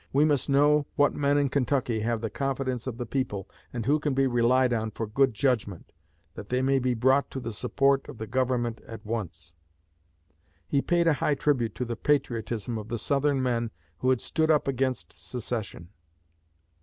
We must know what men in Kentucky have the confidence of the people, and who can be relied on for good judgment, that they may be brought to the support of the Government at once." He paid a high tribute to the patriotism of the Southern men who had stood up against secession.